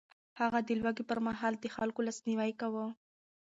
هغه د لوږې پر مهال د خلکو لاسنيوی کاوه.